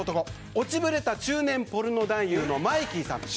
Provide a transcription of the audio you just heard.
落ちぶれた中年ポルノ男優のマイキーさんです。